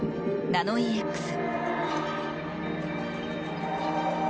ナノイーＸ。